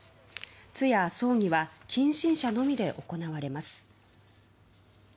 通夜・葬儀は近親者のみで行われます。